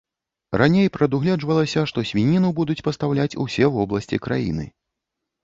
Раней прадугледжвалася, што свініну будуць пастаўляць усе вобласці краіны.